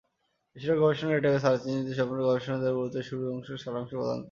বেশিরভাগ গবেষণা database search ইঞ্জিনে সম্পূর্ণ গবেষণাপত্র দেওয়ার পরিবর্তে শুরু সারাংশ প্রদান করে থাকে।